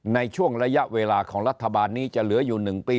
ในช่วงระยะเวลาของรัฐบาลนี้จะเหลืออยู่๑ปี